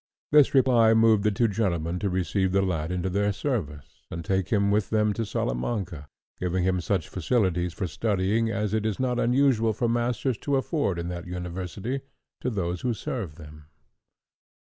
This reply moved the two gentlemen to receive the lad into their service, and take him with them to Salamanca, giving him such facilities for studying as it is not unusual for masters to afford in that university to those who serve them.